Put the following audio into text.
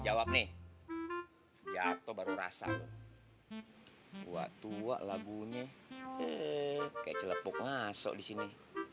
jawab nih jatuh baru rasa gua tua lagunya eh kayak celepuk ngasuk di sini